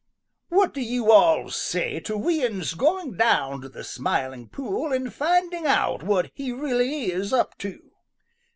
What do you alls say to we uns going down to the Smiling Pool and finding out what he really is up to?"